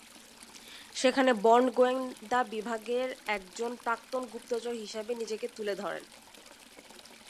সেখানে বন্ড গোয়েন্দা বিভাগের একজন প্রাক্তন গুপ্তচর হিসেবে নিজেকে তুলে ধরেন।